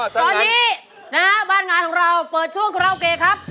ตอนนี้นะฮะบ้านงานของเราเปิดช่วงคาราโอเกะครับ